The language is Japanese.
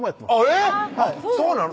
えぇっそうなん？